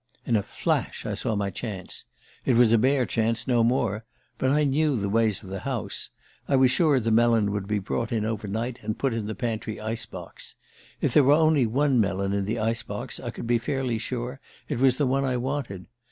"In a flash I saw my chance. It was a bare chance, no more. But I knew the ways of the house I was sure the melon would be brought in over night and put in the pantry ice box. If there were only one melon in the ice box I could be fairly sure it was the one I wanted.